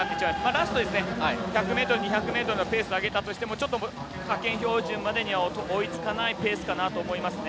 ラスト１００ｍ、２００ｍのペースを上げたとしても派遣標準までには追いつかないペースだと思いますね。